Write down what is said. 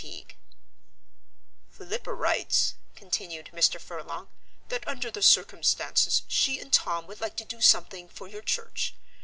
"Philippa writes," continued Mr. Furlong "that under the circumstances she and Tom would like to do something for your church.